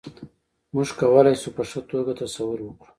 موږ کولای شو په ښه توګه تصور وکړو.